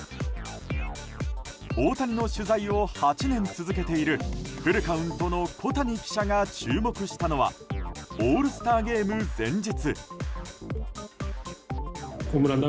大谷の取材を８年続けているフルカウントの小谷記者が注目したのはオールスターゲーム前日。